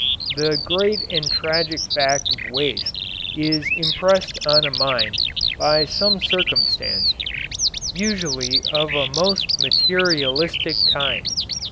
The great and tragic fact of waste is impressed on a mind by some circumstance, usually of a most materialistic kind.